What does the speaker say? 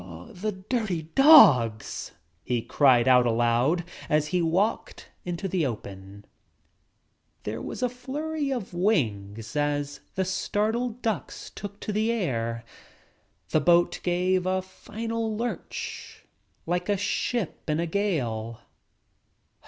"The dirty dogs," he cried out aloud as he walked into the open. There was a flurry of wings as the startled ducks took to the air. The boat gave a final lurch like a ship in a gale.